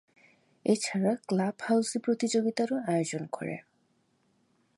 এছাড়া club housie প্রতিযোগিতারও আয়োজন করে।